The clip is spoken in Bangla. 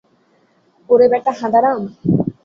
ওরে বেটা হাঁদারাম।